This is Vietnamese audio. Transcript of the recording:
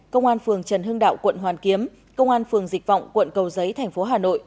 công an phường trần hưng đạo quận hoàn kiếm công an phường dịch vọng quận cầu giấy thành phố hà nội